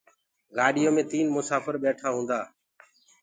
گآڏيو مي تيٚن مسآڦر ٻيٺآ هونٚدآ